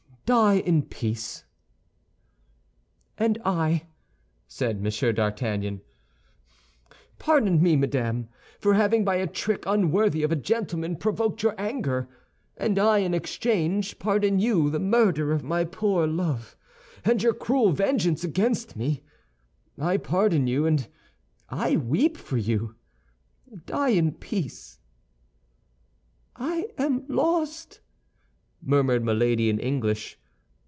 Die in peace!" "And I," said M. d'Artagnan. "Pardon me, madame, for having by a trick unworthy of a gentleman provoked your anger; and I, in exchange, pardon you the murder of my poor love and your cruel vengeance against me. I pardon you, and I weep for you. Die in peace!" "I am lost!" murmured Milady in English.